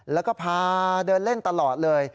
แล้วก็พาเดินเล่นตลอดเลย